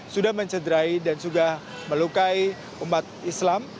sudah mencederai dan sudah melukai umat islam